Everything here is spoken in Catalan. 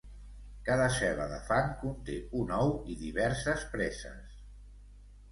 Cada cel·la de fang conté un ou i diverses preses.